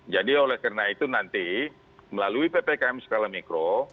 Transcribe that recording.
jadi oleh karena itu nanti melalui ppkm skala mikro